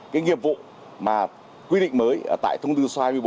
cái nghiệp vụ mà quy định mới tại thông tư hai mươi bốn